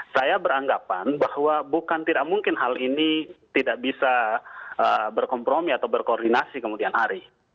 saya beranggapan bahwa bukan tidak mungkin hal ini tidak bisa berkompromi atau berkoordinasi kemudian hari